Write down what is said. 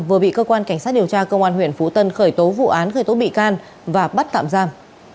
vừa bị cơ quan cảnh sát điều tra công an huyện phú tân khởi tố vụ án khởi tố bị can và bắt tạm giam